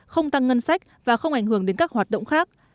không tăng ngân sách và không ảnh hưởng đến các hoạt động khác